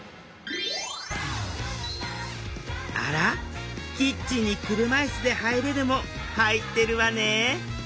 あら「キッチンに車いすで入れる」も入ってるわね